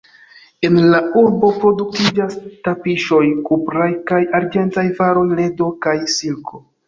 En la urbo produktiĝas tapiŝoj, kupraj kaj arĝentaj varoj, ledo kaj silko.